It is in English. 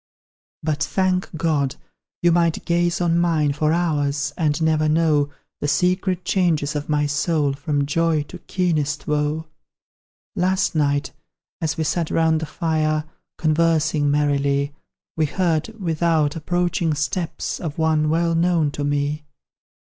But, thank God! you might gaze on mine For hours, and never know The secret changes of my soul From joy to keenest woe. Last night, as we sat round the fire Conversing merrily, We heard, without, approaching steps Of one well known to me!